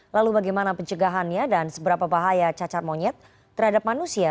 lalu bagaimana pencegahannya dan seberapa bahaya cacar monyet terhadap manusia